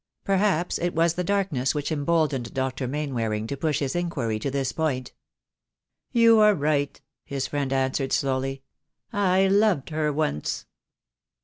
Perhaps it was the darkness which emboldened Dr. Mainwaring to push his inquiry to this point. "You are right," his friend answered slowly. "I loved her once."